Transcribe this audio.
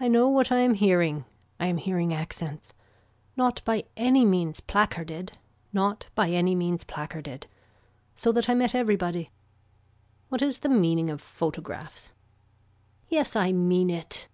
I know what I am hearing. I am hearing accents. Not by any means placarded. Not by any means placarded. So that I met everybody. What is the meaning of photographs. Yes I mean it.